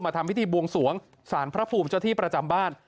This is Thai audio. ทำพิธีบวงสวงสารพระภูมิเจ้าที่ประจำบ้าน